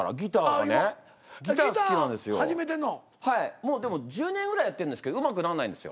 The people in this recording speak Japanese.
もうでも１０年ぐらいやってるんですけどうまくならないんですよ。